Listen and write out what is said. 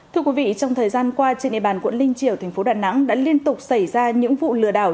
thưa quý vị trong thời gian qua trên địa bàn quận linh triều tp đà nẵng đã liên tục xảy ra những vụ lừa đảo